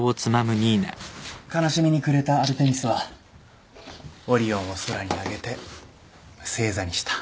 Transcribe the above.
悲しみに暮れたアルテミスはオリオンを空に上げて星座にした。